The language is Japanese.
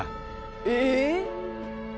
え！